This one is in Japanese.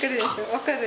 分かる。